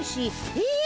え！